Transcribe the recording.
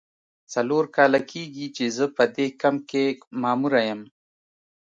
څلور کاله کیږي چې زه په دې کمپ کې ماموره یم.